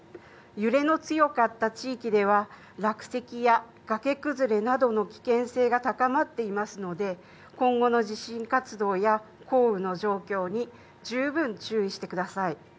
揺れの強かった地域では、落石や崖崩れなどの危険性が高まっていますので、今後の地震活動や、降雨の状況に十分注意してください。